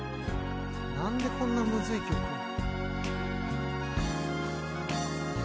何でこんなムズい曲を。